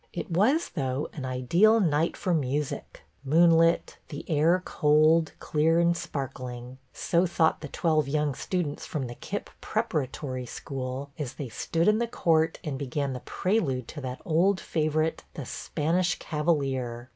It HALLOWE'EN 127 was, though, an ideal night for music, — moonlit, the air cold, clear and sparkling ; so thought the twelve young students from the Kip Preparatory School, as they stood in the court and began the prelude to that old favorite, " The Spanish Cavalier."